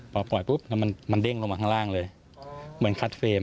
พอปล่อยปุ๊บแล้วมันเด้งลงมาข้างล่างเลยเหมือนคัดเฟรม